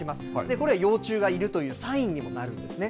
これ、幼虫がいるというサインにもなるんですね。